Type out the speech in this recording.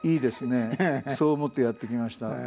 そう思ってやってきました。